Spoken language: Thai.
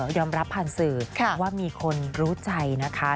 ยอมรับผ่านสื่อว่ามีคนรู้ใจนะคะ